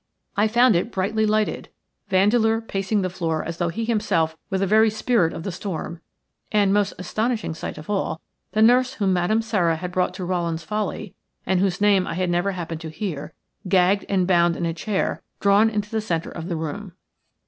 I found it brightly lighted; Vandeleur pacing the floor as though he himself were the very spirit of the storm; and, most astonishing sight of all, the nurse whom Madame Sara had brought to Rowland's Folly, and whose name I had never happened to hear, gagged and bound in a chair drawn into the centre of the room.